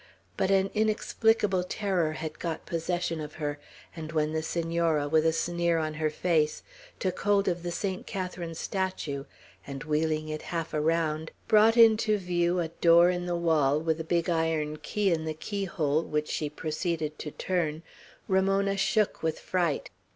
But an inexplicable terror had got possession of her; and when the Senora, with a sneer on her face, took hold of the Saint Catharine statue, and wheeling it half around, brought into view a door in the wall, with a big iron key in the keyhole, which she proceeded to turn, Ramona shook with fright.